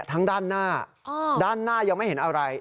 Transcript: ทั้งด้านหน้าด้านหน้ายังไม่เห็นอะไร